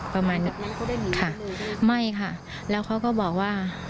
ประมาณนั้นค่ะไม่ค่ะแล้วเขาก็บอกว่า